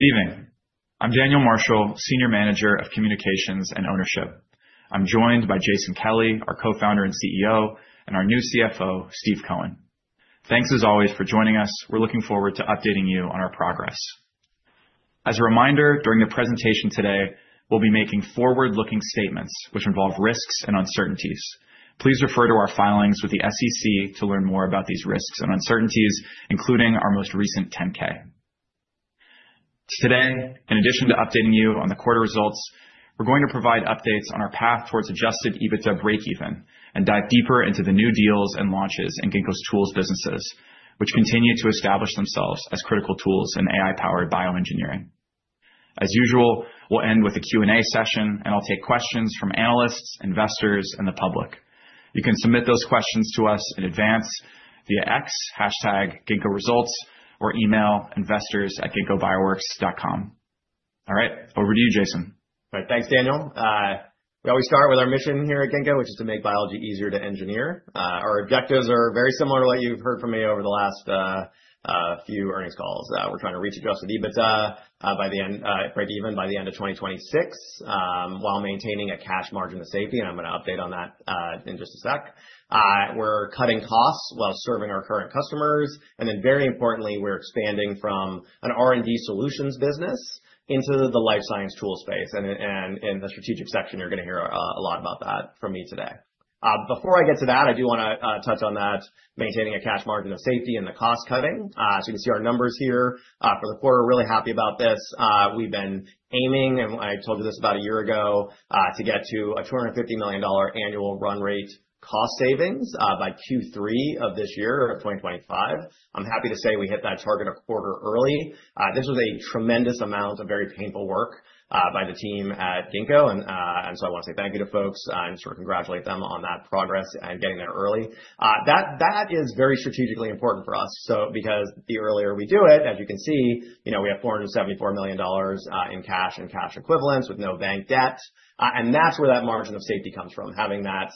Good evening. I'm Daniel Marshall, Senior Manager of Communications and Ownership. I'm joined by Jason Kelly, our Co-Founder and CEO, and our new CFO, Steve Coen. Thanks as always for joining us. We're looking forward to updating you on our progress. As a reminder, during the presentation today, we'll be making forward-looking statements which involve risks and uncertainties. Please refer to our filings with the SEC to learn more about these risks and uncertainties, including our most recent 10-K. Today, in addition to updating you on the quarter results, we're going to provide updates on our path towards adjusted EBITDA breakeven and dive deeper into the new deals and launches in Ginkgo's tools businesses, which continue to establish themselves as critical tools in AI-powered bioengineering. As usual, we'll end with a Q&A session and I'll take questions from analysts, investors, and the public. You can submit those questions to us in advance via X, Ginkgo results, or email investors@ginkgobioworks.com. All right, over to you, Jason. All right, thanks Daniel. We always start with our mission here at Ginkgo, which is to make biology easier to engineer. Our objectives are very similar to what you've heard from me over the last few earnings calls. We're trying to reach adjusted EBITDA by the end, even by the end of 2026 while maintaining a cash margin of safety. I'm going to update on that in just a sec. We're cutting costs while serving our current customers, and then very importantly, we're expanding from an R&D solutions business into the life science tool space. In the strategic section, you're going to hear a lot about that from me today. Before I get to that, I do want to touch on maintaining a cash margin of safety and the cost cutting. You can see our numbers here for the quarter. We're really happy about this. We've been aiming, and I told you this about a year ago, to get to a $250 million annual run rate cost savings by Q3 of 2025. I'm happy to say we hit that target a quarter early. This was a tremendous amount of very painful work by the team at Ginkgo. I want to say thank you to folks and sort of congratulate them on that progress and getting there early. That is very strategically important for us because the earlier we do it, as you can see, we have $474 million in cash and cash equivalents with no bank debt. That's where that margin of safety comes from. Having that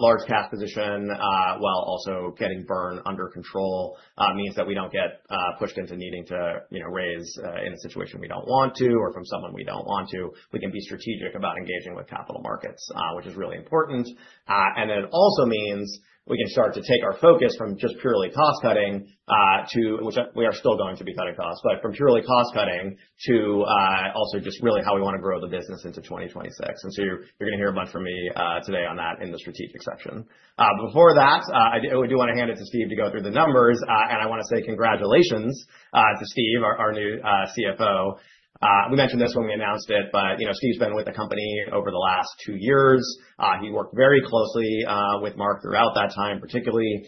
large cash position while also getting burn under control means that we don't get pushed into needing to raise in a situation we don't want to or from someone we don't want to. We can be strategic about engaging with capital markets, which is really important. It also means we can start to take our focus from just purely cost cutting, to which we are still going to be cutting costs, but from purely cost cutting to also just really how we want to grow the business into 2026. You're going to hear a bunch from me today on that in the strategic section. Before that, I do want to hand it to Steve to go through the numbers, and I want to say congratulations to Steve, our new CFO. We mentioned this when we announced it, but you know, Steve's been with the company over the last two years. He worked very closely with Mark throughout that time, particularly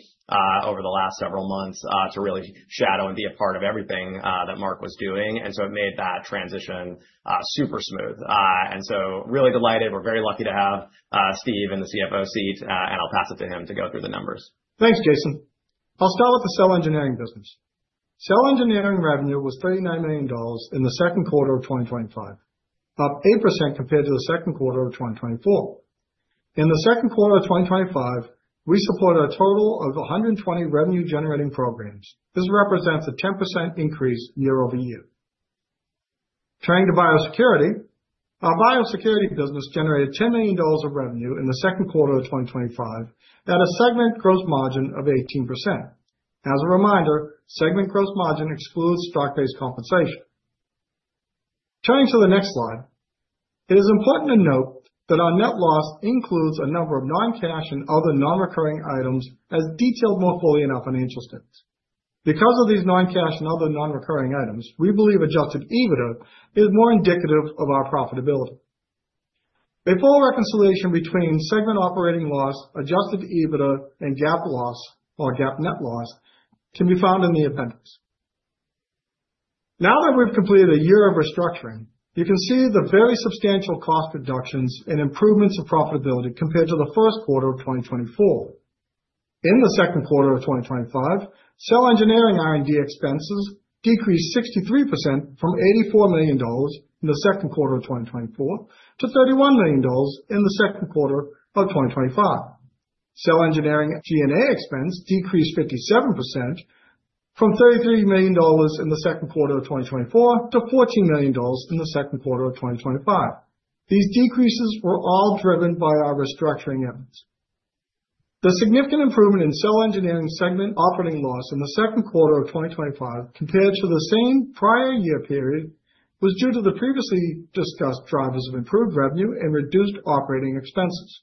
over the last several months to really shadow and be a part of everything that Mark was doing. It made that transition super smooth and so really delighted. We're very lucky to have Steve in the CFO seat and I'll pass it to him to go through the numbers. Thanks, Jason. I'll start with the cell engineering business. Cell engineering revenue was $39 million in the second quarter of 2025, up 8% compared to the second quarter of 2024. In the second quarter of 2025, we supported a total of 120 revenue generating programs. This represents a 10% increase year over year. Turning to biosecurity, our biosecurity business generated $10 million of revenue in the second quarter of 2025 at a segment gross margin of 18%. As a reminder, segment gross margin excludes stock based compensation. Turning to the next slide, it is important to note that our net loss includes a number of non cash and other non recurring items as detailed more fully in our financial statements. Because of these non cash and other non recurring items, we believe adjusted EBITDA is more indicative of our profitability. A full reconciliation between segment operating loss, adjusted EBITDA, and GAAP loss or GAAP net loss can be found in the appendix. Now that we've completed a year of restructuring, you can see the very substantial cost reductions and improvements in profitability compared to the first quarter of 2024. In the second quarter of 2025, cell engineering R&D expenses decreased 63% from $84 million in the second quarter of 2024 to $31 million in the second quarter of 2025. Cell engineering G&A expense decreased 57% from $33 million in the second quarter of 2024 to $14 million in the second quarter of 2025. These decreases were all driven by our restructuring efforts and the significant improvement in cell engineering segment operating loss in the second quarter of 2025 compared to the same prior year period was due to the previously discussed drivers of improved revenue and reduced operating expenses.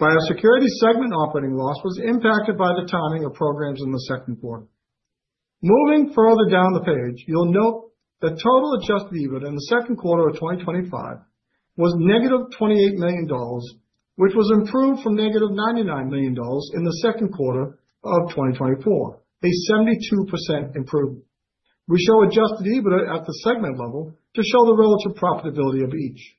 Biosecurity segment operating loss was impacted by the timing of programs in the second quarter. Moving further down the page, you'll note that total adjusted EBITDA in the second quarter of 2025 was -$28 million, which was improved from -$99 million in the second quarter of 2024, a 72% improvement. We show adjusted EBITDA at the segment level to show the relative profitability of each.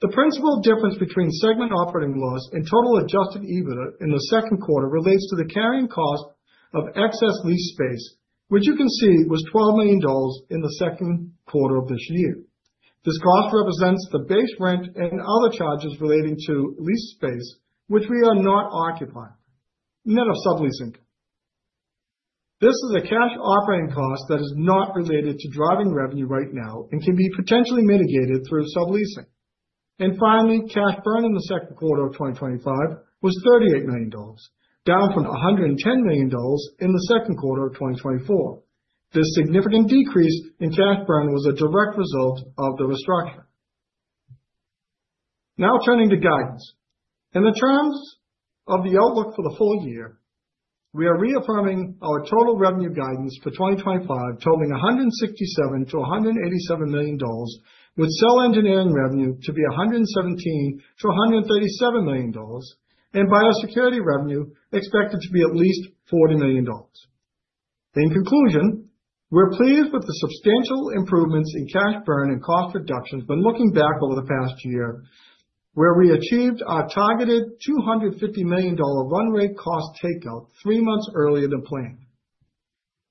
The principal difference between segment operating loss and total adjusted EBITDA in the second quarter relates to the carrying cost of excess lease space, which you can see was $12 million in the second quarter of this year. This cost represents the base rent and other charges relating to lease space which we are not occupying, net of subleasing. This is a cash operating cost that is not related to driving revenue right now and can be potentially mitigated through subleasing. Finally, cash burned in the second quarter of 2025 was $38 million, down from $110 million in the second quarter of 2024. This significant decrease in cash burn was a direct result of the restructuring. Now turning to guidance in terms of the outlook for the full year, we are reaffirming our total revenue guidance for 2025 totaling $167-$187 million, with cell engineering revenue to be $117-$137 million and biosecurity revenue expected to be at least $40 million. In conclusion, we're pleased with the substantial improvements in cash burn and cost reductions when looking back over the past year, where we achieved our targeted $250 million run rate cost takeout three months earlier than planned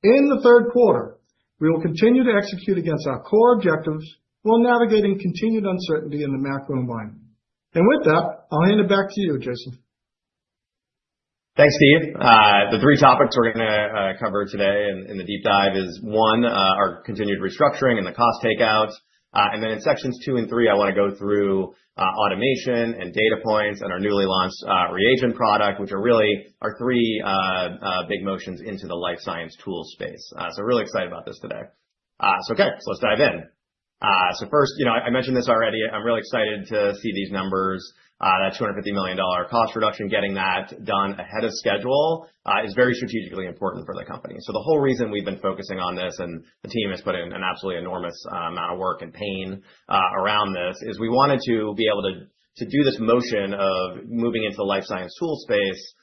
in the third quarter. We will continue to execute against our core objectives while navigating continued uncertainty in the macro environment. With that, I'll hand it back to you, Jason. Thanks, Steve. The three topics we're going to cover today in the deep dive is, one, our continued restructuring and the cost takeouts. In sections two and three, I want to go through automation and data points and our newly launched reagent product, which are really our three big motions into the life science tool space. I'm really excited about this today. Let's dive in. First, I mentioned this already. I'm really excited to see these numbers, that $250 million cost reduction. Getting that done ahead of schedule is very strategically important for the company. The whole reason we've been focusing on this, and the team has put in an absolutely enormous amount of work and pain around this, is we wanted to be able to do this motion of moving into the life science tool space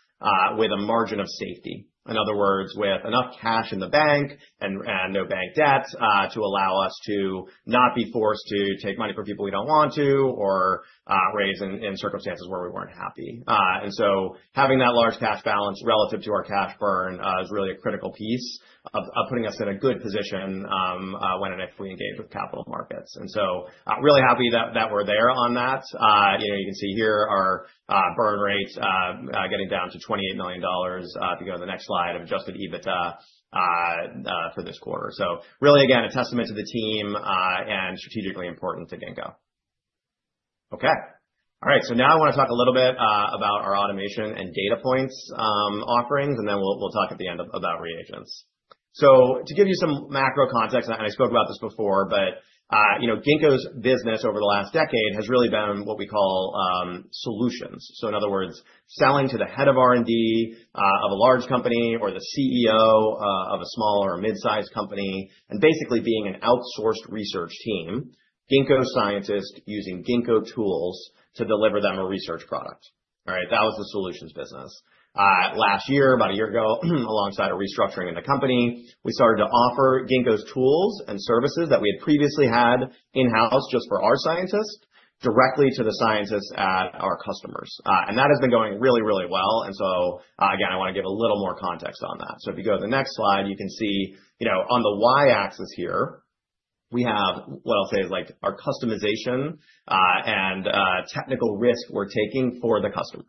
with a margin of safety. In other words, with enough cash in the bank and no bank debts to allow us to not be forced to take money from people we don't want to or raise in circumstances where we weren't happy. Having that large cash balance relative to our cash burn is really a critical piece of putting us in a good position when and if we engage with capital markets. I'm really happy that we're there on that. You can see here our burn rate's getting down to $28 million if you go to the next slide of adjusted EBITDA for this quarter. Again, a testament to the team and strategically important to Ginkgo. Now I want to talk a little bit about our automation and data points offerings, and then we'll talk at the end about reagents. To give you some macro context, and I spoke about this before, Ginkgo's business over the last decade has really been what we call solutions. In other words, selling to the Head of R&D of a large company or the CEO of a small or mid-sized company, and basically being an outsourced research team, Ginkgo scientists using Ginkgo tools to deliver them a research product. That was the solutions business last year. About a year ago, alongside a restructuring in the company, we started to offer Ginkgo's tools and services that we had previously had in house just for our scientists, directly to the scientists at our customers. That has been going really, really well. I want to give a little more context on that. If you go to the next slide, you can see, on the Y axis here we have what I'll say is like our customization and technical risk we're taking for the customer.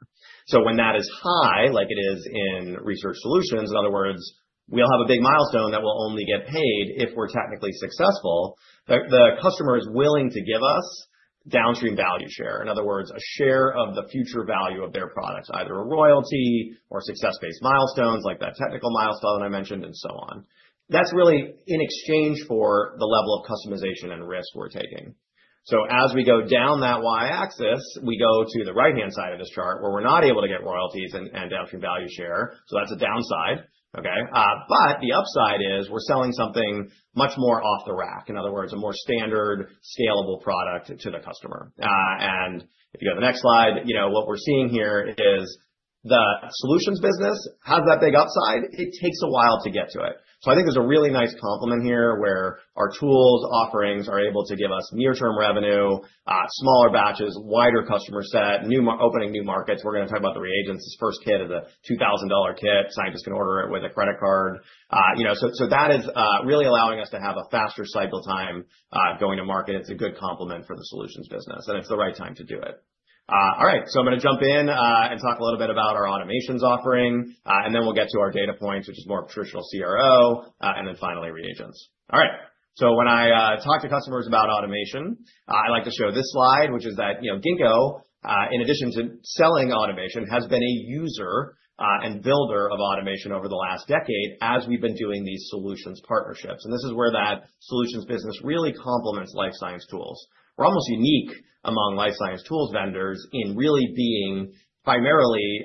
When that is high, like it is in research solutions, in other words, we'll have a big milestone that will only get paid if we're technically successful. The customer is willing to give us downstream value share, in other words, a share of the future value of their products, either a royalty or success-based milestones like that technical milestone that I mentioned and so on. That's really in exchange for the level of customization and risk we're taking. As we go down that Y axis, we go to the right-hand side of this chart where we're not able to get royalties and downstream value share. That's a downside. The upside is we're selling something much more off the rack, in other words, a more standard scalable product to the customer. If you go to the next slide, what we're seeing here is the solutions business has that big upside. It takes a while to get to it. I think there's a really nice complement here where our tools offerings are able to give us near-term revenue, smaller batches, wider customer set, new opening, new markets. We're going to talk about the reagents. This first kit is a $2,000 kit. Scientists can order it with a credit card, so that is really allowing us to have a faster cycle time going to market. It's a good complement for the solutions business and it's the right time to do it. I'm going to jump in and talk a little bit about our automation offering and then we'll get to our data points which is more traditional CRO and then finally reagents. When I talk to customers about automation I like to show this slide which is that Ginkgo, in addition to selling automation, has been a user and builder of automation over the last decade as we've been doing these solutions partnerships. This is where that solutions business really complements life science tools. We're almost unique among life science tools vendors in really being primarily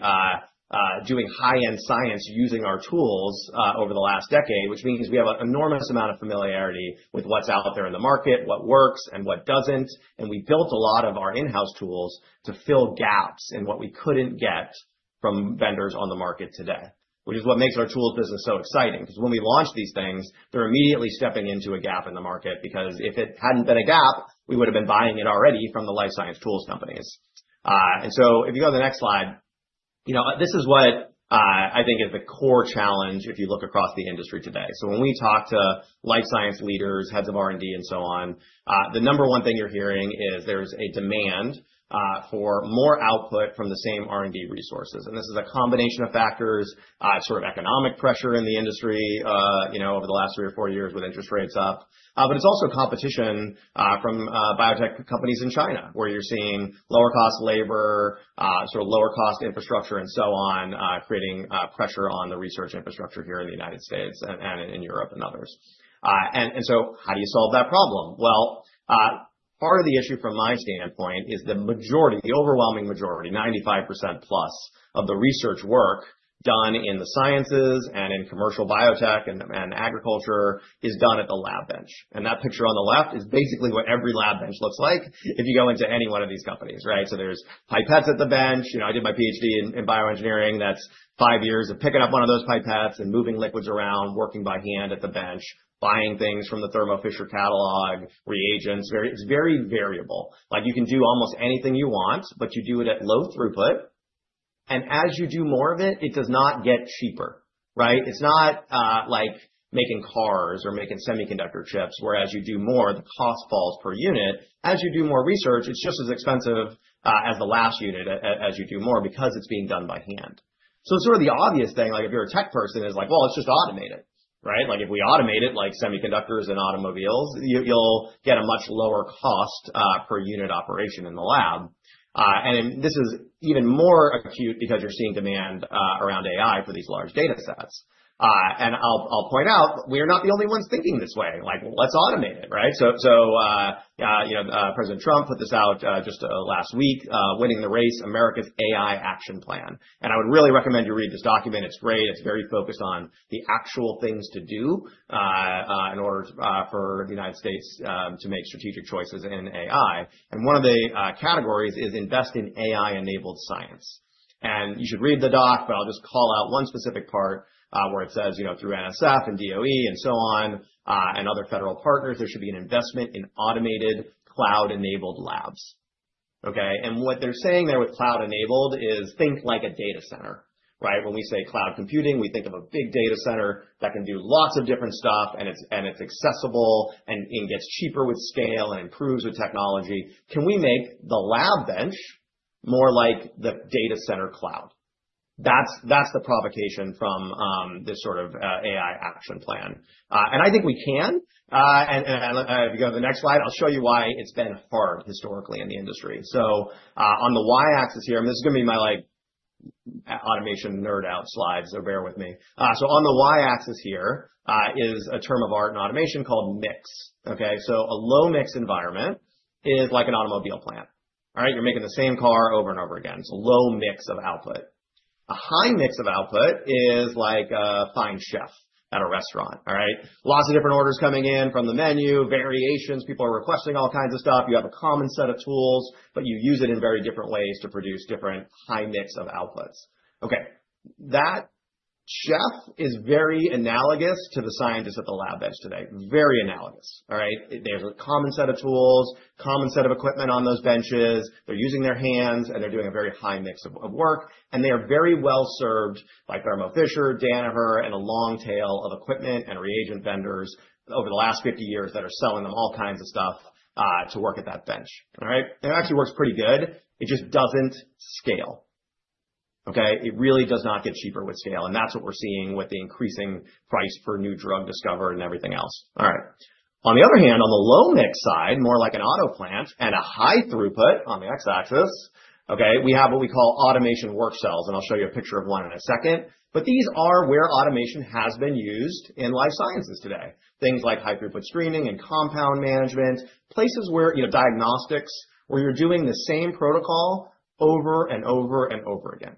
doing high-end science using our tools over the last decade, which means we have an enormous amount of familiarity with what's out there in the market, what works and what doesn't. We built a lot of our in-house tools to fill gaps in what we couldn't get from vendors on the market today, which is what makes our tools business so exciting. Because when we launch these things, they're immediately stepping into a gap in the market because if it hadn't been a gap, we would have been buying it already from the life science tools companies. If you go to the next slide, this is what I think is the core challenge. If you look across the industry today, when we talk to life science leaders, heads of R&D and so on, the number one thing you're hearing is there is a demand for more output from the same R&D resources. This is a combination of factors. Sort of economic pressure in the industry over the last three or four years with interest rates up. It's also competition from biotech companies in China, where you're seeing lower cost labor, sort of lower cost infrastructure and so on, creating pressure on the research infrastructure here in the United States and in Europe and others. How do you solve that problem? Part of the issue from my standpoint is the majority, the overwhelming majority, 95%+ of the research work done in the sciences and in commercial biotech and agriculture is done at the lab bench. That picture on the left is basically what every lab bench looks like if you go into any one of these companies. Right? There's pipettes at the bench. I did my PhD in bioengineering. That's five years of picking up one of those pipettes and moving liquids around, working by hand at the bench, buying things from the Thermo Fisher catalog, reagents. It's very variable. You can do almost anything you want, but you do it at low throughput. As you do more of it, it does not get cheaper. It's not like making cars or making semiconductor chips. Whereas you do more, the cost falls per unit. As you do more research, it's just as expensive as the last unit as you do more because it's being done by hand. The obvious thing, like if you're a tech person, is like, just automate it, right? If we automate it, like semiconductors and automobiles, you'll get a much lower cost per unit operation in the lab. This is even more acute because you're seeing demand around AI for these large data sets. I'll point out we are not the only ones thinking this way. Like, let's automate it, right? President Trump put this out just last week, winning the race, America's AI Action Plan. I would really recommend you read this document. It's great. It's very focused on the actual things to do in order for the United States to make strategic choices in AI. One of the categories is invest in AI-enabled science. You should read the doc, but I'll just call out one specific part where it says, you know, through NSF and DOE and so on and other federal partners, there should be an investment in automated cloud-enabled labs. What they're saying there with cloud-enabled is think like a data center, right? When we say cloud computing, we think of a big data center that can do lots of different stuff and it's accessible and gets cheaper with scale and improves with technology. Can we make the lab bench more like the data center cloud? That's the provocation from this sort of AI action plan. I think we can. If you go to the next slide, I'll show you why it's been hard historically in the industry. On the Y axis here, and this is going to be my automation nerd out slides, so bear with me. On the Y axis here is a term of art in automation called mix. A low mix environment is like an automobile plant, all right? You're making the same car over and over again. It's a low mix of output. A high mix of output is like a fine chef at a restaurant, all right? Lots of different orders coming in from the menu, variations. People are requesting all kinds of stuff. You have a common set of tools, but you use it in very different ways to produce different highness of outputs. That chef is very analogous to the scientists at the lab bench today. Very analogous, all right? They have a common set of tools, common set of equipment on those benches. They're using their hands and they're doing a very high mix of work. They are very well served by Thermo Fisher, Danaher, and a long tail of equipment and reagent vendors over the last 50 years that are selling them all kinds of stuff to work at that bench. It actually works pretty good. It just doesn't scale. It really does not get cheaper with scale. That's what we're seeing with the increasing price for new drug discovery and everything else. On the other hand, on the low mix side, more like an auto plant and a high throughput on the X axis, we have what we call automation work cells. I'll show you a picture of one in a second. These are where automation has been used in life sciences today. Things like high throughput screening and compound management. Places where, you know, diagnostics where you're doing the same protocol over and over and over again.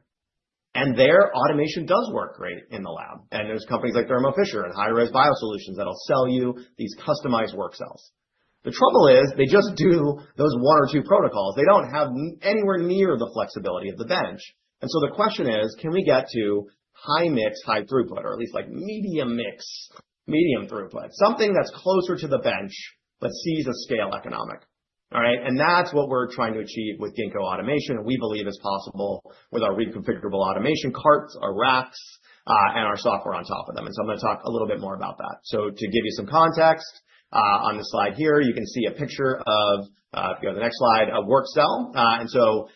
Their automation does work great in the lab. There are companies like Thermo Fisher and HighRes Biosolutions that'll sell you these customized work cells. The trouble is they just do those one or two protocols. They don't have anywhere near the flexibility of the bench. The question is, can we get to high mix, high throughput, or at least like medium mix, medium throughput, something that's closer to the bench but sees a scale economic? That's what we're trying to achieve with Ginkgo Automation, and we believe is possible with our reconfigurable automation carts, our racks, and our software on top of them. I'm going to talk a little bit more about that. To give you some context, on the slide here, you can see a picture of—go to the next slide—a work cell.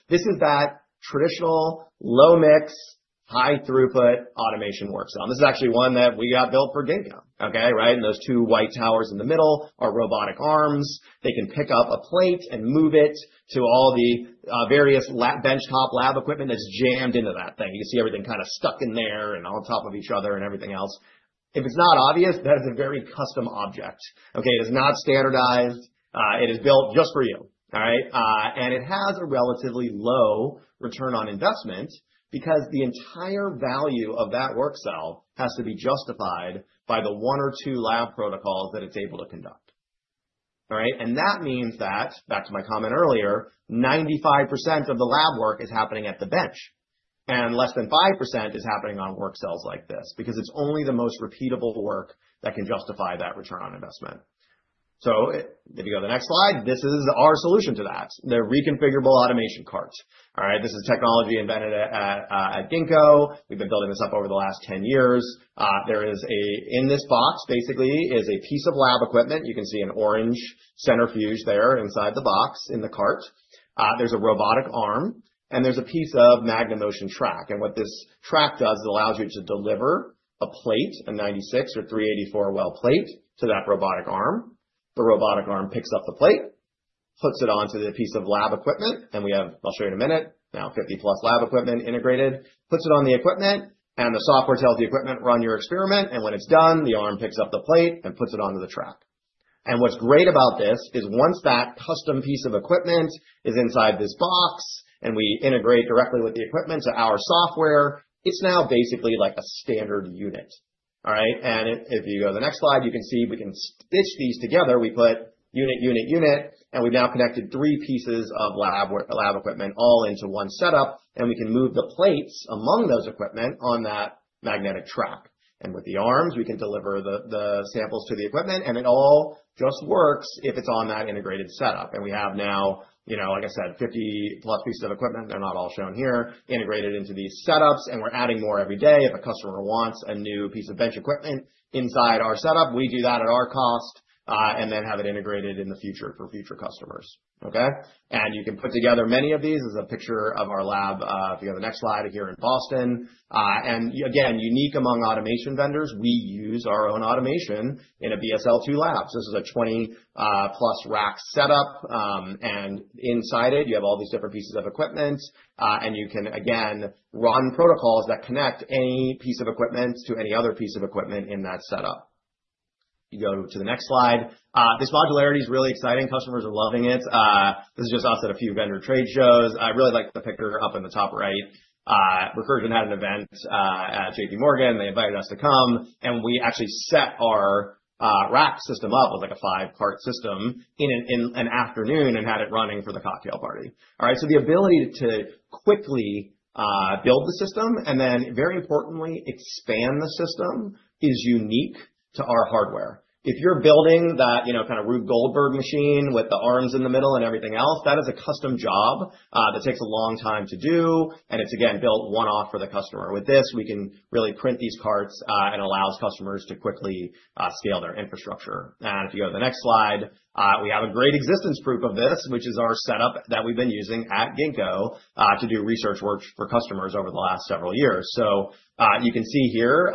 This is that traditional low mix, high throughput automation work cell. This is actually one that we got built for Ginkgo. Those two white towers in the middle are robotic arms. They can pick up a plate and move it to all the various benchtop lab equipment that's jammed into that thing. You see everything kind of stuck in there and on top of each other and everything else. If it's not obvious, that is a very custom object. It is not standardized. It is built just for you. It has a relatively low return on investment because the entire value of that work cell has to be justified by the one or two lab protocols that it's able to conduct. That means that, back to my comment earlier, 95% of the lab work is happening at the bench, and less than 5% is happening on work cells like this because it's only the most repeatable work that can justify that return on investment. If you go to the next slide, this is our solution to that: the reconfigurable automation cart. This is technology invented at Ginkgo. We've been building this up over the last 10 years. In this box, basically, is a piece of lab equipment. You can see an orange centrifuge there inside the box in the cartoon. There's a robotic arm and there's a piece of MagnaMotion track. What this track does is allows you to deliver a plate, a 96 or 384 well plate, to that robotic arm. The robotic arm picks up the plate, puts it onto the piece of lab equipment. We have—I'll show you in a minute. Now, 50U+ lab equipment, integrated, puts it on the equipment, and the software tells the equipment, run your experiment. When it's done, the arm picks up the plate and puts it onto the track. What's great about this is once that custom piece of equipment is inside this box and we integrate directly with the equipment, our software, it's now basically like a standard unit. If you go to the next slide, you can see we can stitch these together. We put unit, unit, unit, and we've now connected three pieces of lab equipment all into one setup. We can move the plates among those equipment on that magnetic track. With the arms, we can deliver the samples to the equipment. It all just works if it's on that integrated setup. We have now, you know, like I said, 50U+ pieces of equipment, they're not all shown here integrated into these setups. We're adding more every day. If a customer wants a new piece of bench equipment inside our setup, we do that at our cost and then have it integrated in the future for future customers. You can put together many of these. Here is a picture of our lab if you go to the next slide. Here in Boston, and again, unique among automation vendors, we use our own automation in BSL-2 labs. This is a 20U+. Inside it, you have all these different pieces of equipment. You can again run protocols that connect any piece of equipment to any other piece of equipment in that setup. If you go to the next slide, this modularity is really exciting. Customers are loving it. This is just off at a few vendor trade shows. I really like the picture up in the top right. Recursion had an event at JP Morgan. They invited us to come, and we actually set our rack system up on like a five cart system in an afternoon and had it running for the cocktail party. The ability to quickly build the system and then, very importantly, expand the system is unique to our hardware. If you're building that, you know, kind of Rube Goldberg machine with the arms in the middle and everything else, that is a custom job that takes a long time to do. It's again built one off for the customer. With this, we can really print these carts and it allows customers to quickly scale their infrastructure. If you go to the next slide, we have a great existence proof of this, which is our setup that we've been using at Ginkgo Bioworks to do research work for customers over the last several years. You can see here,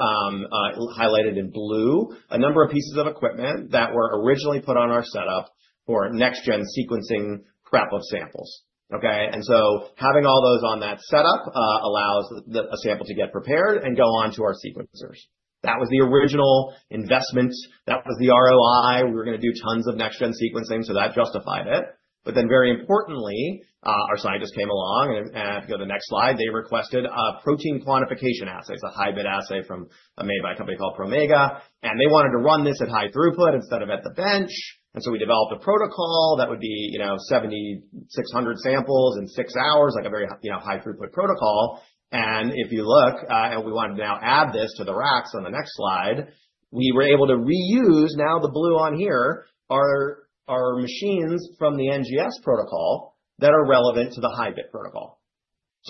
highlighted in blue, a number of pieces of equipment that were originally put on our setup for next gen sequencing prep of samples. Having all those on that setup allows a sample to get prepared and go on to our sequencers. That was the original investment. That was the ROI. We were going to do tons of next gen sequencing. That justified it. Very importantly, our scientists came along and, go to the next slide, they requested a protein quantification assay. It's a HiBiT assay from, made by a company called Promega. They wanted to run this at high throughput instead of at the bench. We developed a protocol that would be, you know, 7,600 samples in six hours. Like a very, you know, high throughput protocol. If you look and we want to now add this to the racks on the next slide, we were able to reuse. Now the blue on here are our machines from the NGS protocol that are relevant to the HiBiT protocol.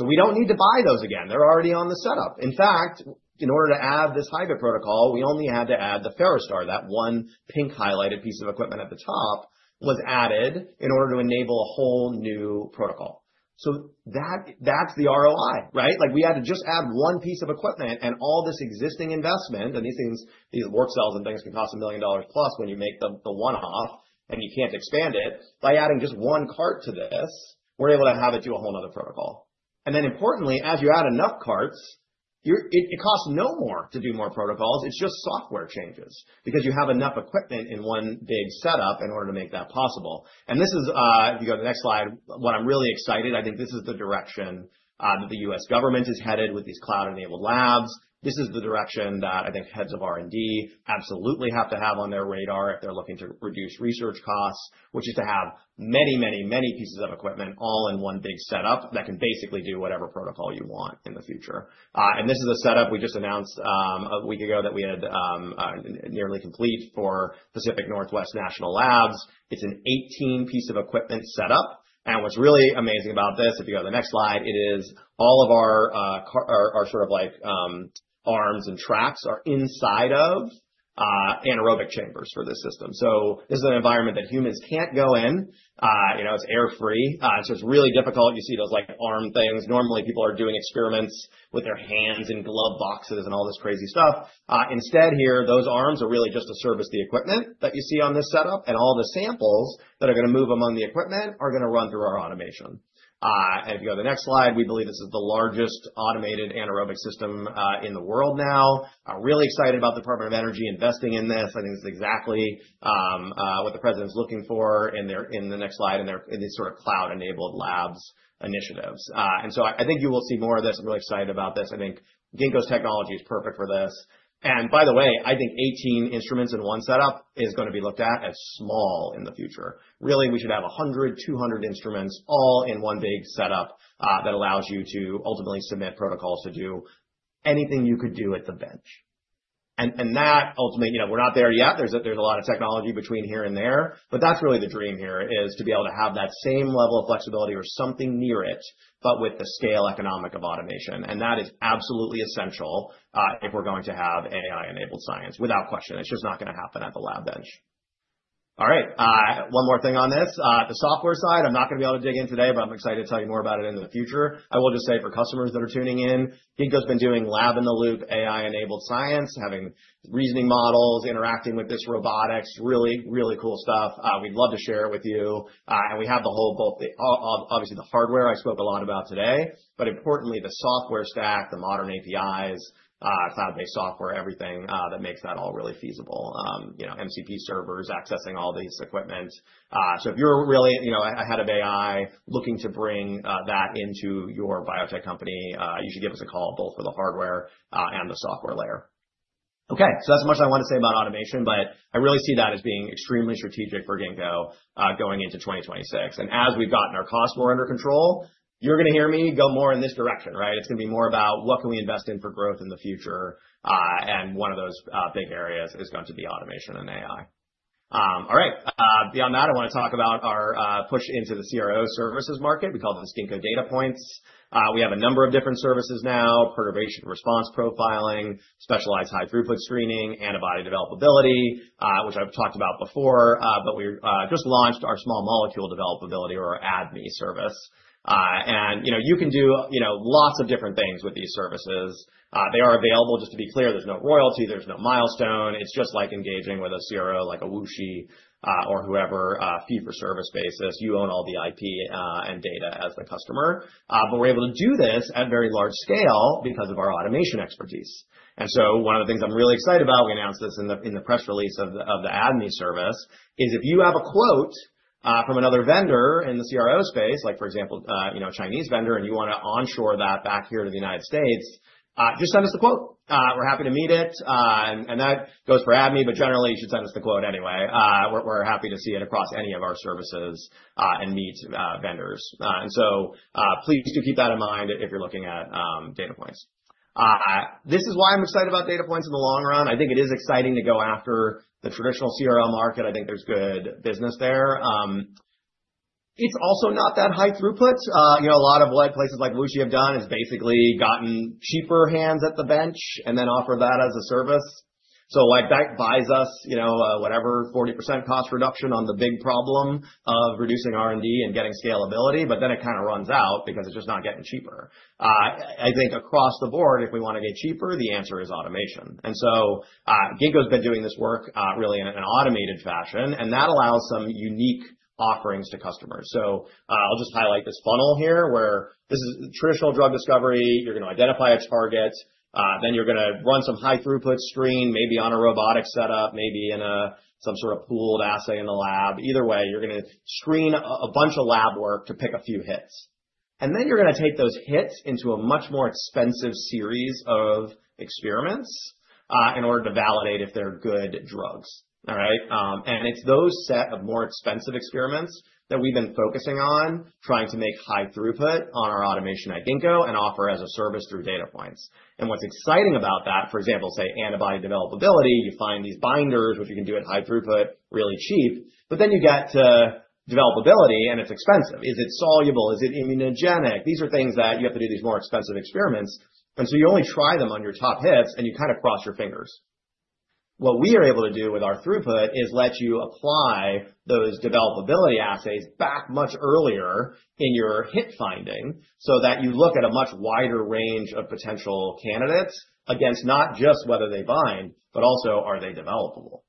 We don't need to buy those again, they're already on the setup. In fact, in order to add this HiBiT protocol, we only had to add the Ferrostar. That one pink highlighted piece of equipment at the top was added in order to enable a whole new protocol. That's the ROI, right? We had to just add one piece of equipment and all this existing investment and these things, these warp cells and things can cost $1 million+ when you make them the one half and you can't expand it. By adding just one cart to this, we're able to have it do a whole other protocol. Importantly, as you add enough carts, it costs no more to do more protocols. It's just software changes because you have enough equipment in one big setup in order to make that possible. If you go to the next slide, what I'm really excited about, I think this is the direction that the U.S. government is headed with these cloud-enabled labs. This is the direction that I think heads of R&D absolutely have to have on their radar if they're looking to reduce research costs, which is to have many, many, many pieces of equipment all in one big setup that can basically do whatever protocol you want in the future. This is a setup we just announced a week ago that we had nearly complete for Pacific Northwest National Labs. It's an 18 piece of equipment setup. What's really amazing about this, if you go to the next slide, is all of our sort of arms and tracks are inside of anaerobic chambers for this system. This is an environment that humans can't go in. You know, it's air free, so it's really difficult. You see those arm things. Normally people are doing experiments with their hands in glove boxes and all this crazy stuff. Instead, here, those arms are really just to service the equipment that you see on this setup. All the samples that are going to move among the equipment are going to run through our automation. If you go to the next slide, we believe this is the largest automated anaerobic system in the world. Really excited about Department of Energy investing in this. I think it's exactly what the President is looking for in the next slide in these sort of cloud-enabled labs initiatives. I think you will see more of this. I'm really excited about this. I think Ginkgo Bioworks' technology is perfect for this. By the way, I think 18 instruments in one setup is going to be looked at as small in the future. Really, we should have 100, 200 instruments all in one big setup that allows you to ultimately submit protocols to do anything you could do at the bench. Ultimately, we're not there yet. There's a lot of technology between here and there, but that's really the dream here, to be able to have that same level of flexibility or something near it, but with the scale economic of automation. That is absolutely essential if we're going to have AI-enabled science. Without question, it's just not going to happen at the lab bench. One more thing on this, the software side. I'm not going to be able to dig in today, but I'm excited to tell you more about it in the future. I will just say for customers that are tuning in, Ginkgo's has been doing lab-in-the-loop AI-enabled science, having reasoning models interacting with this robotics, really, really cool stuff. We'd love to share it with you. We have the whole, both obviously the hardware I spoke a lot about today, but importantly the software stack, the modern APIs, cloud-based software, everything that makes that all really feasible. MCP servers accessing all this equipment. If you're really ahead of AI, looking to bring that into your biotech company, you should give us a call both for the hardware and the software layer. Okay, so that's much I want to say about automation, but I really see that as being extremely strategic for Ginkgo going into 2026. As we've gotten our cost more under control, you're going to hear me go more in this direction, right? It's going to be more about what can we invest in for growth in the future. One of those big areas is going to be automation and AI. All right, beyond that, I want to talk about our push into the CRO services market. We call those Ginkgo Data Points. We have a number of different services now: perturbation, response, profiling, specialized high throughput screening, antibody developability, which I've talked about before. We just launched our small molecule developability or ADME service. You know, you can do, you know, lots of different things with these services. They are available, just to be clear, there's no royalty, there's no milestone. It's just like engaging with a CRO, like a WuXi or whoever, fee for service basis. You own all the IP and data as the customer. We're able to do this at very large scale because of our automation expertise. One of the things I'm really excited about, we announced this in the press release of the ADME service, is if you have a quote from another vendor in the CRO space, like for example, you know, Chinese vendor, and you want to onshore that back here to the United States, just send us the quote, we're happy to meet it. That goes for ADME, but generally you should send us the quote anyway. We're happy to see it across any of our services and meet vendors. Please do keep that in mind if you're looking at Data Points. This is why I'm excited about Data Points in the long run. I think it is exciting to go after the traditional CRO market. I think there's good business there. It's also not that high throughput. A lot of what places like WuXi have done is basically gotten cheaper hands at the bench and then offered that as a service. That buys us, you know, whatever, 40% cost reduction on the big problem of reducing R&D and getting scalability. It kind of runs out because it's just not getting cheaper. I think across the board, if we want to be cheaper, the answer is automation. Ginkgo's been doing this work really in an automated fashion and that allows some unique offerings to customers. I'll just highlight this funnel here where this is traditional drug discovery. You're going to identify its targets, then you're going to run some high throughput screen, maybe on a robotic setup, maybe in some sort of pooled assay in the lab. Either way, you're going to screen a bunch of lab work to pick a few hits and then you're going to take those hits into a much more expensive series of experiments in order to validate if they're good drugs. All right? It's those set of more expensive experiments that we've been focusing on trying to make high throughput on our automation at Ginkgo Bioworks and offer as a service through Ginkgo Data Points. What's exciting about that, for example, say antibody developability, you find these binders, which you can do at high throughput really cheap, but then you get to developability and it's expensive. Is it soluble, is it immunogenic? These are things that you have to do these more expensive experiments. You only try them on your top hits and you kind of cross your fingers. What we are able to do with our throughput is let you apply those developability assays back much earlier in your hit finding so that you look at a much wider range of potential candidates against not just whether they bind, but also are they developable.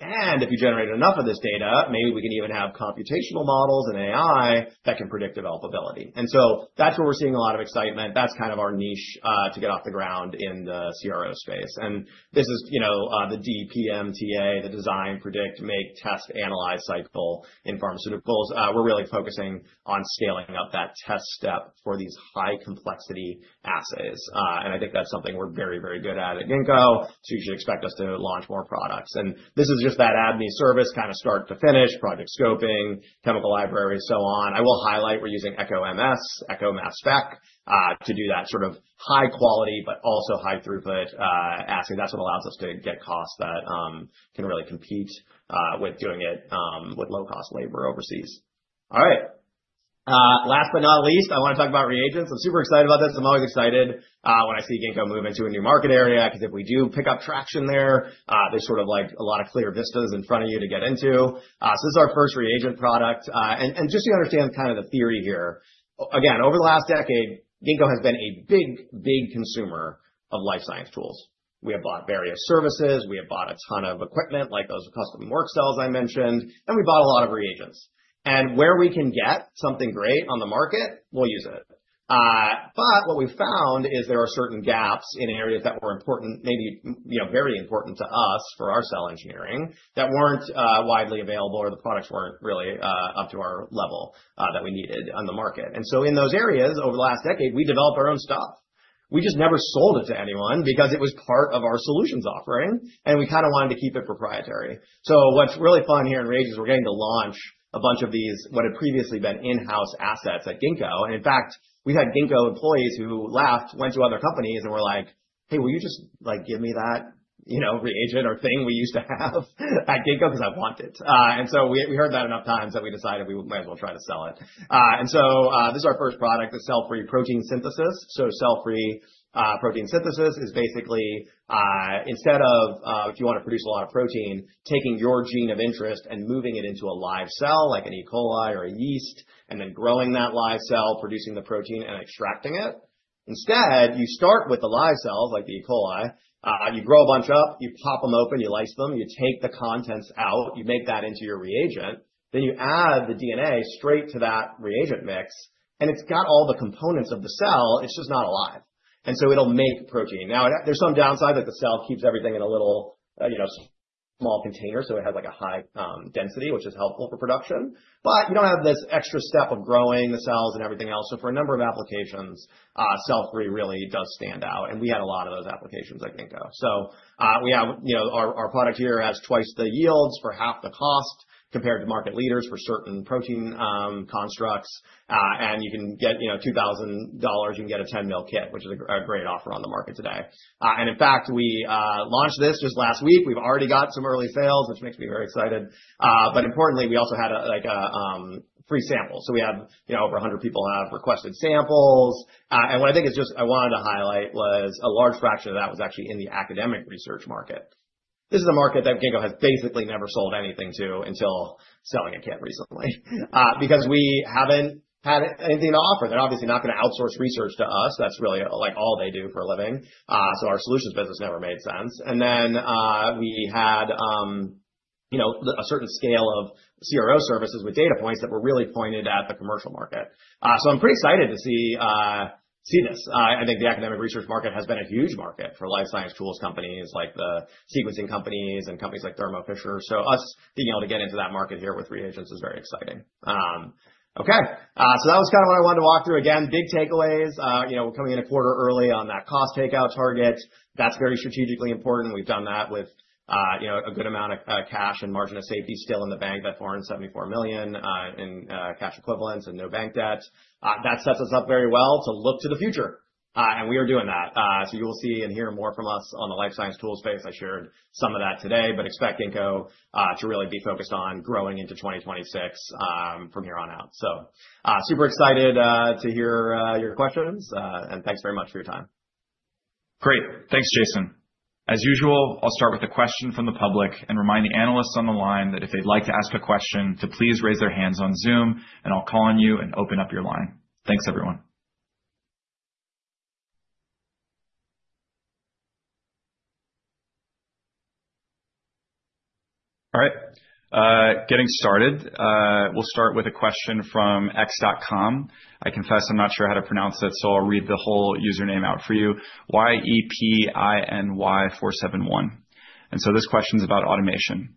If you generate enough of this data, maybe we can even have computational models and AI that can predict developability. That's where we're seeing a lot of excitement. That's kind of our niche to get off the ground in the CRO space. This is, you know, the DPMTA, the design, predict, make, test, analyze cycle in pharmaceuticals. We're really focusing on scaling up that test step for these high complexity assays. I think that's something we're very, very good at at Ginkgo Bioworks. You should expect us to launch more products. This is just that ADME profiling service kind of start to finish project scoping, chemical libraries, so on. I will highlight we're using Echo MS, Echo Mass spec to do that sort of high quality but also high throughput asking. That's what allows us to get costs that can really compete with doing it with low cost labor overseas. All right, last but not least, I want to talk about reagents. I'm super excited about this. I'm always excited when I see Ginkgo Bioworks move into a new market area because if we do pick up traction there, they sort of like a lot of clear vistas in front of you to get into. This is our first reagent product. Just to understand kind of the theory here, again, over the last decade Ginkgo Bioworks has been a big, big consumer of life science tools. We have bought various services, we have bought a ton of equipment like those custom work cells I mentioned, and we bought a lot of reagents. Where we can get something great on the market, we'll use it. What we found is there are certain gaps in areas that were important, maybe very important to us for our cell engineering that weren't widely available or the products weren't really up to our level that we needed on the market. In those areas over the last decade, we developed our own stuff. We just never sold it to anyone because it was part of our solutions offering and we kind of wanted to keep it proprietary. What's really fun here in R&D is we're getting to launch a bunch of these, what had previously been in-house assets at Ginkgo. In fact, we had Ginkgo employees who left, went to other companies and were like, hey, will you just like give me that, you know, reagent or thing we used to have at Ginkgo, because I want it. We heard that enough times that we decided we might as well try to sell it. This is our first product, the cell-free protein synthesis kit. Cell-free protein synthesis is basically instead of, if you want to produce a lot of protein, taking your gene of interest and moving it into a live cell like an E. coli or a yeast, and then growing that live cell, producing the protein and extracting it, instead, you start with the live cells like the E. coli, you grow a bunch up, you pop them open, you lyse them, you take the contents out, you make that into your reagent, then you add the DNA straight to that reagent mix and it's got all the components of the cell. It's just not alive, and so it'll make protein. Now there's some downsides that the cell keeps everything in a little, you know, small container, so it has like a high density, which is helpful for production, but now this extra step of growing the cells and everything else. For a number of applications, cell-free really does stand out, and we had a lot of those applications, I think. We have, you know, our product here has twice the yields for half the cost compared to market leaders for certain protein constructs. You can get, you know, $2,000, you can get a 10 mL kit, which is a great offer on the market today. In fact, we launched this just last week. We've already got some early sales, which makes me very excited. Importantly, we also had a free sample. We have, you know, over 100 people have requested samples. What I think is, just I wanted to highlight, was a large fraction of that was actually in the academic research market. This is a market that Ginkgo has basically never sold anything to until selling a kit recently because we haven't had anything to offer. They're obviously not going to outsource research to us. That's really like all they do for a living. Our solutions business never made sense. We had a certain scale of CRO services with Ginkgo Data Points that were really pointed at the commercial market. I'm pretty excited to see this. I think the academic research market has been a huge market for life science tools. Companies like the sequencing companies and companies like Thermo Fisher. Us being able to get into that market here with reagents is very exciting. That was kind of what I wanted to walk through. Again, big takeaways. We're coming in a quarter early on that cost takeout target. That's very strategically important. We've done that with a good amount of cash and margin of safety still in the bank. That $474 million in cash equivalents and no bank debt sets us up very well to look to the future. We are doing that. You will see and hear more from us on the life science tools space. I shared some of that today, but expect Ginkgo to really be focused on growing into 2026 from here on out. Super excited to hear your questions and thanks very much for your time. Great. Thanks, Jason. As usual, I'll start with a question from the public and remind the analysts on the line that if they'd like to ask a question to please raise their hands on Zoom and I'll call on you and open up your line. Thanks, everyone. All right, getting started. We'll start with a question from x.com. I confess I'm not sure how to pronounce it, so I'll read the whole username out for you. Yetiny471. This question is about automation.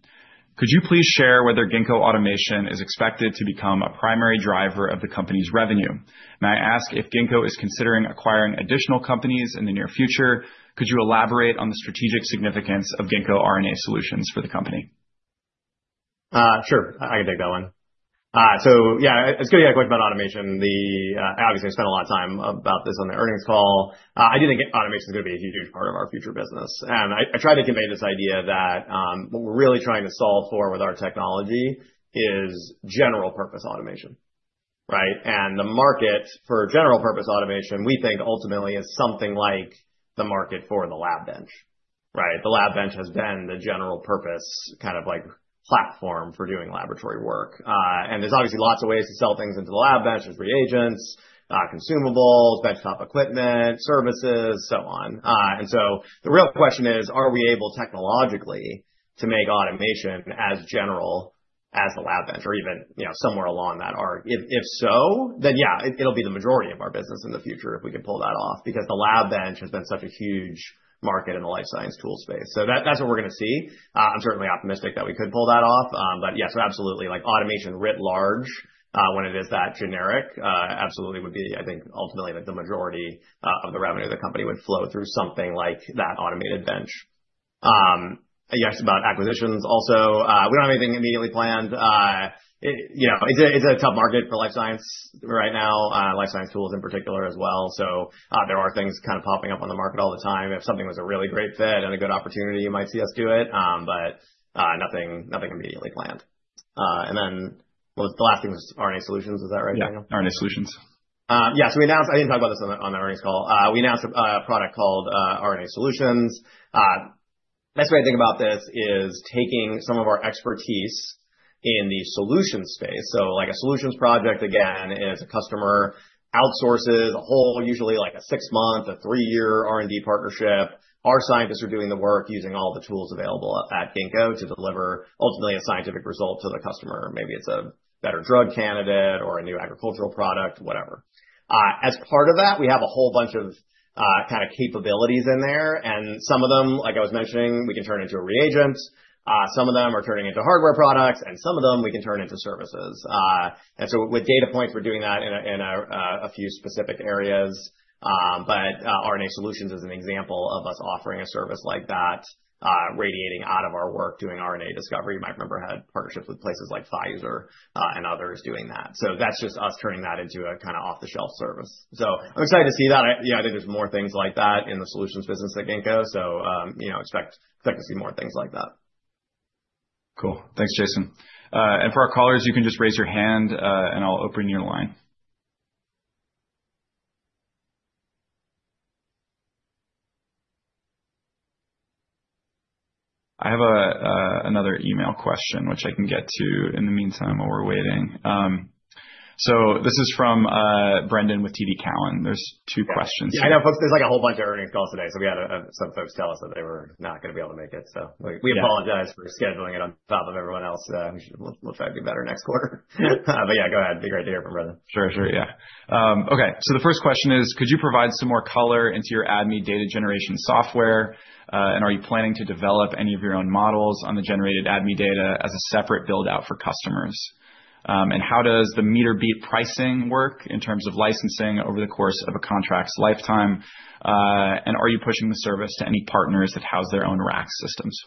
Could you please share whether Ginkgo Automation is expected to become a primary driver of the company's revenue? May I ask if Ginkgo is considering acquiring additional companies in the near future? Could you elaborate on the strategic significance of Ginkgo RNA Solutions for the company? Sure, I can take that one. Yeah, it's good to get a question about automation. Obviously, I spent a lot of time about this on the earnings call. I do think automation is going to be a huge part of our future business. I tried to convey this idea that what we're really trying to solve for with our technology is general purpose automation. The market for general purpose automation, we think ultimately is something like the market for the lab bench. The lab bench has been the general purpose, kind of like platform for doing laboratory work. There's obviously lots of ways to sell things into the lab bench and free agents, consumables, benchtop equipment, services, so on. The real question is, are we able technologically to make automation as general as the lab bench or even somewhere along that arc? If so, then yeah, it'll be the majority of our business in the future if we could pull that off. The lab bench has been such a huge market in the life science tool space. That's what we're going to see. I'm certainly optimistic that we could pull that off, but yes, absolutely, like automation writ large when it is that generic, absolutely would be. I think ultimately that the majority of the revenue of the company would flow through something like that automated benchmark. Yes, about acquisitions also, we don't have anything immediately planned. It's a tough market for life science right now, life science tools in particular as well. There are things kind of popping up on the market all the time. If something was a really great fit and a good opportunity, you might see us do it, but nothing immediately planned. The last thing was RNA Solutions. Is that right, Daniel? Yeah, RNA Solutions, yes. We announced, I didn't talk about this on the earnings call. We announced a product called RNA Solutions. Best way to think about this is taking some of our expertise in the solutions phase. A solution project again is a customer outsources a whole, usually like a six month, a three year R&D partnership. Our scientists are doing the work, using all the tools available at Ginkgo Bioworks to deliver ultimately a scientific result to the customer. Maybe it's a better drug candidate or a new agricultural product, whatever. As part of that we have a whole bunch of kind of capabilities in there and some of them, like I was mentioning, we can turn into a reagent, some of them are turning into hardware products and some of them we can turn into services. With Ginkgo Data Points we're doing that in a few specific areas. RNA Solutions is an example of us offering a service like that, radiating out of our work, doing RNA discovery. You might remember had partnerships with places like Pfizer and others doing that. That's just us turning that into a kind of off the shelf service. I'm excited to see that. I think there's more things like that in the solutions business like Ginkgo. Expect to see more things like that. Cool. Thanks, Jason. For our callers, you can just raise your hand and I'll open your line. I have another email question which I can get to in the meantime while we're waiting. This is from Brendan with TD Cowen. There are two questions. Yeah, I know there's like a whole bunch of earnings calls today. We had some folks tell us that they were not going to be able to make it. We apologize for scheduling it on top of everyone else. We'll try to do better next quarter. Go ahead. Be great to hear from you. For sure. Yeah. Okay, the first question is, could you provide some more color into your ADME data generation software? Are you planning to develop any of your own models on the generated ADME data as a separate build out for customers? How does the meter-based pricing work in terms of licensing over the course of a contract's lifetime? Are you pushing the service to any partners that house their own rack systems?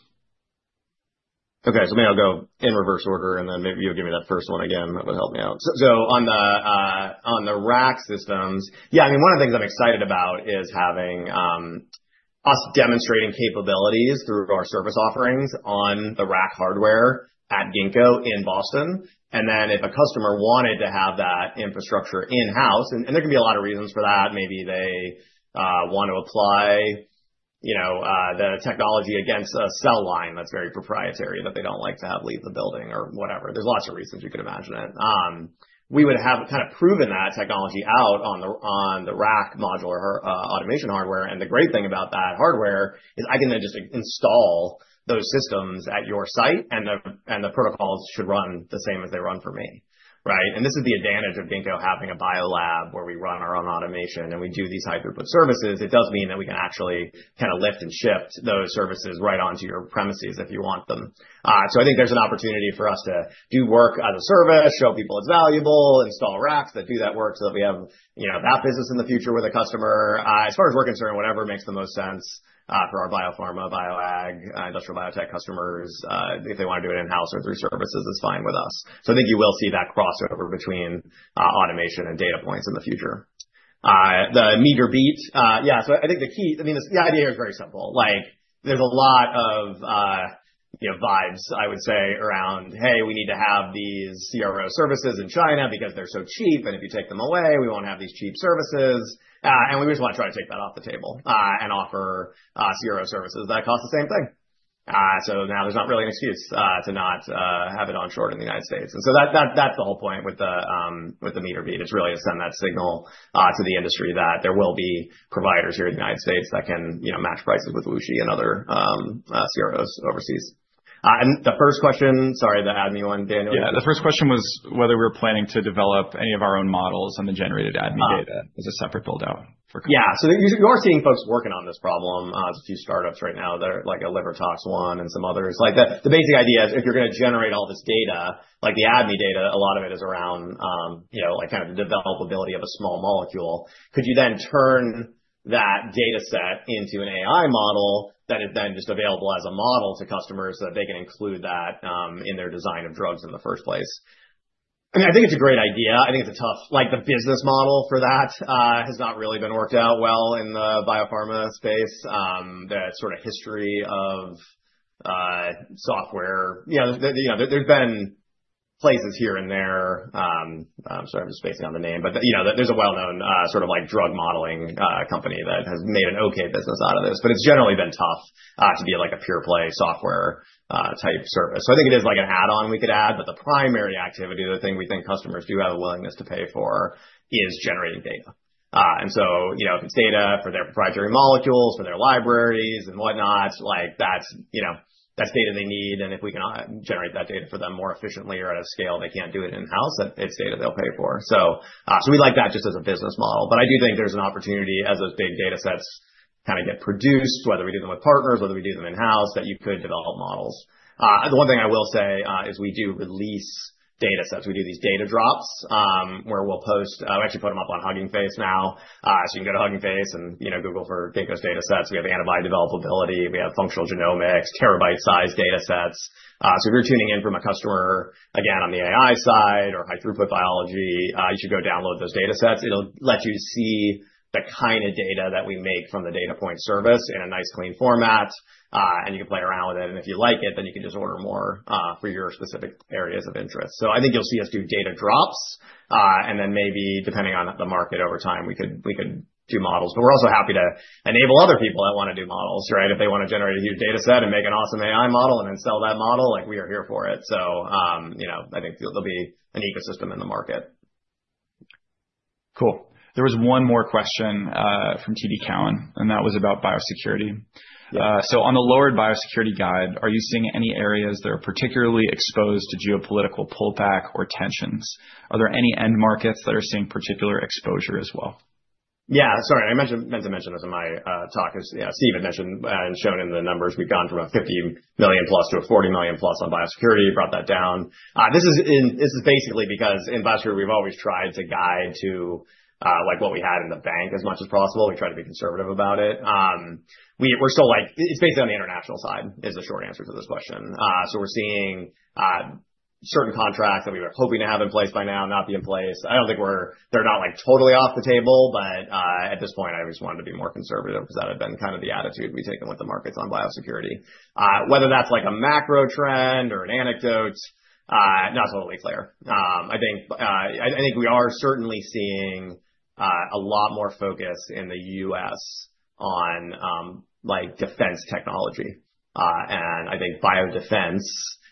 Okay, maybe I'll go in reverse order and then maybe you'll give me that first one again. That would help me out. On the rack systems, one of the things I'm excited about is having us demonstrating capabilities through our service offerings on the rack hardware at Ginkgo in Boston. If a customer wanted to have that infrastructure in house, and there can be a lot of reasons for that, maybe they want to apply the technology against a cell line that's very proprietary, that they don't like to have leave the building or whatever. There's lots of reasons. You can imagine it, we would have kind of proven that technology out on the rack modular automation hardware. The great thing about that hardware is I can then just install those systems at your site and the protocols should run the same as they run for me. This is the advantage of Ginkgo having a bio lab where we run our own automation and we do these hybrid services. It does mean that we can actually kind of lift and shift those services right onto your premises if you want them. I think there's an opportunity for us to do work as a service, show people it's valuable, install racks that do that work so that we have that business in the future with a customer. As far as we're concerned, whatever makes the most sense for our biopharma, bioag, industrial biotech customers, if they want to do it in house or through services is fine with us. I think you will see that crossover between automation and Data Points in the future. The meter beat, the key, the idea is very simple. There's a lot of vibes, I would say, around, hey, we need to have these CRO services in China because they're so cheap, and if you take them away we want to have these cheap services, and we just want to try to take that off the table and offer CRO services that cost the same thing. Now there's not really an excuse to not have it onshore in the United States. That's the whole point with the meter beat, to really send that signal to the industry that there will be providers here in the United States that can match prices with WuXi and other CROs overseas. The first question, sorry, the ADME one, Daniel. Yeah, the first question was whether we were planning to develop any of our own models on the generated ADME data as a separate build out. Yeah. You are seeing folks working on this problem as a few startups right now. There are like a liver tox one and some others. The basic idea, if you are going to generate all this data, like the ADME data, a lot of it is around the developability of a small molecule. Could you then turn that data set into an AI model that is then just available as a model to customers that they can include in their design of drugs in the first place? I mean, I think it's a great idea. I think it's tough, like the business model for that has not really been worked out well in the biopharma space. The sort of history of software, there have been places here and there, sorry, I'm just spacing on the name, but there is a well-known drug modeling company that has made an okay business out of this. It's generally been tough via a pure play software type service. I think it is an add-on we could add. The primary activity, the thing we think customers do have a willingness to pay for, is generating data. If it's data for their proprietary molecules, for their libraries and whatnot, that's data they need, and if we can generate that data for them more efficiently or at a scale they can't do in house, then it's data they'll pay for. We like that just as a business model. I do think there's an opportunity as those big data sets get produced, whether we do them with partners or in house, that you could develop models. One thing I will say is we do release data sets. We do these data drops where we'll post. We actually put them up on Hugging Face now, so you can go to Hugging Face and Google for Ginkgo's data sets. We have antibody developability, we have functional genomics terabyte-size data sets. If you're tuning in from a customer again on the AI side or high throughput biology, you should go download those data sets. It'll let you see the kind of data that we make from the Ginkgo Data Points service in a nice clean format, and you can play around with it. If you like it, then you can just order more for your specific areas of interest. I think you'll see us do data drops, and then maybe depending on the market over time, we could do models. We are also happy to enable other people that want to do models. If they want to generate a huge data set and make an awesome AI model and then sell that model, we are here for it. I think there'll be an ecosystem in the market. Cool. There was one more question from TD Cowen and that was about biosecurity. On the lowered biosecurity guide, are you seeing any areas that are particularly exposed to geopolitical pullback or tension? Are there any end markets that are seeing particular exposure as well? Yeah, sorry, I meant to mention this in my talk. As Steve Cohen had mentioned and shown in the numbers, we've gone from a $50 million+ to a $40 million+ on biosecurity, brought that down. This is basically because in bio we've always tried to guide to like what we had in the bank as much as possible. We try to be conservative about it. We're still like it's based on the international side is the short answer to this question. We're seeing certain contracts that we were hoping to have in place by now not be in place. I don't think they're not like totally off the table. At this point I just wanted to be more conservative because that had been kind of the attitude we take in with the markets on biosecurity. Whether that's like a macro trend or an anecdote, not totally clear. I think we are certainly seeing a lot more focus in the U.S. on like defense technology and I think biodefense,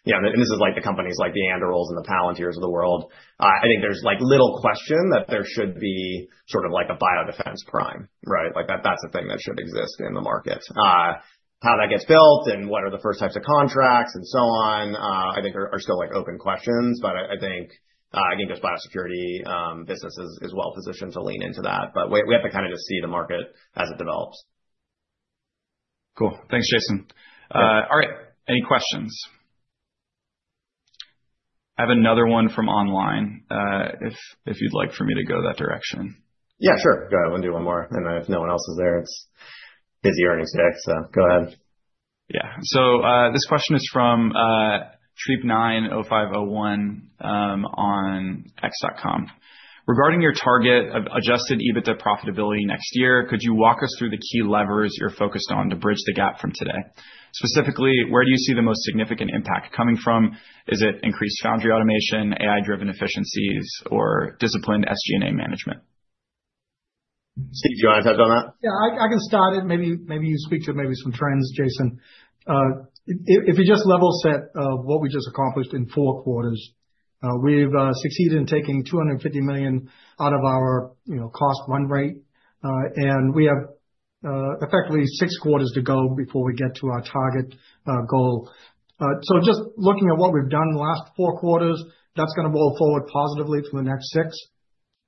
and this is like the companies like the Andurils and the Palantirs of the world. I think there's like little question that there should be sort of like a biodefense prime. Right. Like that's the thing that should exist in the market, how that gets built and what are the first types of contracts and so on I think are still like open questions, but I think the biosecurity business is well positioned to lean into that. We have to kind of just see the market as it develops. Cool. Thanks, Jason. All right, any questions? I have another one from online if you'd like for me to go that direction. Yeah, sure, go ahead. We'll do one more, and if no one else is there, it's the earnings day. Go ahead. Yeah. This question is from sleep90501 on x.com regarding your target of adjusted EBITDA profitability next year. Could you walk us through the key levers you're focused on to bridge the gap from today? Specifically, where do you see the most significant impact coming from? Is it increased foundry automation, AI-driven efficiencies, or disciplined SG&A management? Steve, do you want to touch on that? Yeah, I can start it. Maybe you speak to maybe some friends. Jason, if you just level set what we just accomplished in four quarters, we've succeeded in taking $250 million out of our cost run rate and we have effectively six quarters to go before we get to our target goal. Just looking at what we've done last four quarters, that's going to roll forward positively for the next six.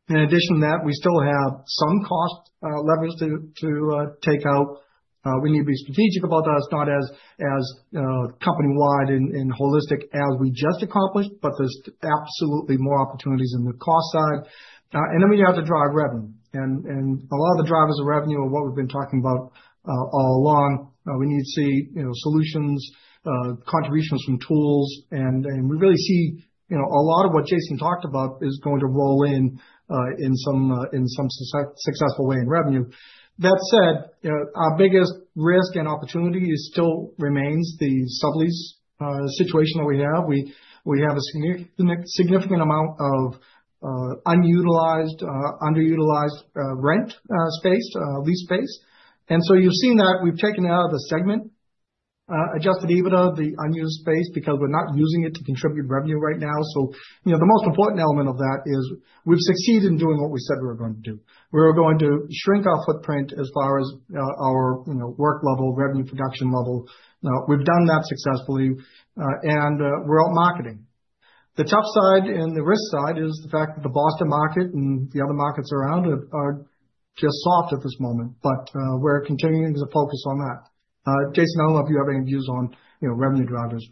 In addition to that, we still have some cost leverage to take out. We need to be strategic about that. It's not as company-wide and holistic as we just accomplished, but there's absolutely more opportunities in the cost side and then we have to drive revenue and a lot of the drivers of revenue are what we've been talking about all along. We need to see, you know, solutions, contributions from tools and we really see, you know, a lot of what Jason talked about is going to roll in, in some, in some successful way in revenue. That said, our biggest risk and opportunity still remains the sublease situation that we have. We have a significant amount of unutilized, underutilized rent space, lease space. You've seen that we've taken out of the segment adjusted EBITDA the unused space because we're not using it to contribute revenue right now. The most important element of that is we've succeeded in doing what we said we were going to do. We were going to shrink our footprint as far as our work level, revenue, production level. We've done that successfully and we're out marketing. The tough side and the risk side is the fact that the Boston market and the other markets around are just soft at this moment. We're continuing to focus on that. Jason, I don't know if you have any views on revenue drivers.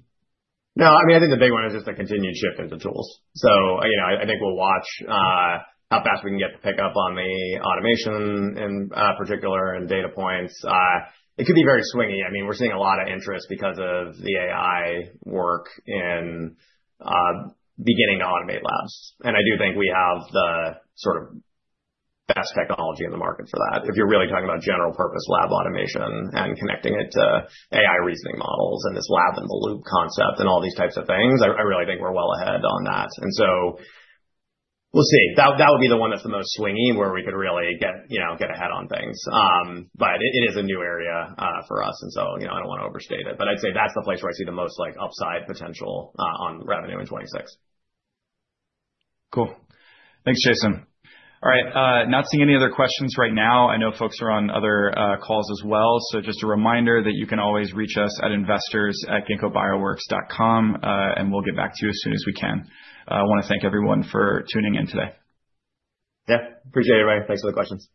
No, I mean, I think the big one is it's a continued shift in the tools. I think we'll watch how fast we can get to pick up on the automation in particular and Data Points. It could be very swingy. We're seeing a lot of interest because of the AI work in beginning to automate labs. I do think we have the sort of best technology in the market for that. If you're really talking about general purpose lab automation and connecting it to AI reasoning models and this lab-in-the-loop concept and all these types of things, I really think we're well ahead on that. We'll see. That would be the one that's the most swingy where we could really get ahead on things. It is a new area for us. I don't want to overstate it, but I'd say that's the place where I see the most upside potential on revenue in 2026. Cool. Thanks, Jason. All right. Not seeing any other questions right now. I know folks are on other calls as well, so just a reminder that you can always reach us at investors@ginkgobioworks.com and we'll get back to you as soon as we can. I want to thank everyone for tuning in today. Yeah, appreciate it, Daniel. Thanks for the questions.